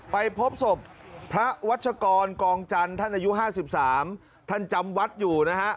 ไปพบศพพระวัชกรกองจันทร์ท่านอายุ๕๓ท่านจำวัดอยู่นะฮะ